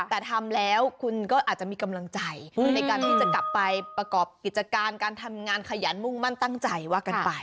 แต่ทำแล้วคุณก็อาจจะมีกำลังใจในการที่จะกลับไปประกอบกิจการการทำงานขยันมุ่งมั่นตั้งใจว่ากันไป